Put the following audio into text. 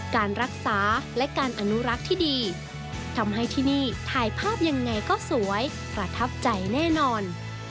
การรักษาและการอนุรักษ์ที่ดีทำให้ที่นี่ถ่ายภาพยังไงก็สวยประทับใจแน่นอน